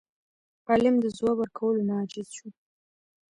عالم د ځواب ورکولو نه عاجز شو.